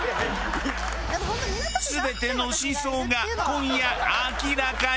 全ての真相が今夜明らかに！